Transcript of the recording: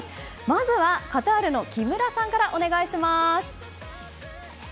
まずはカタールの木村さんからお願いします。